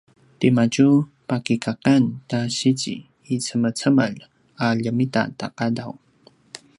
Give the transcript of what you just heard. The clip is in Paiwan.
timadju pakikakan ta sizi i cemecemel a ljemita ta qadaw